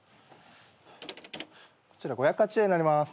こちら５８０円になります。